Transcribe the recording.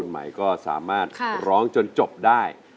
ใหม่ก็สามารถร้องจนจบได้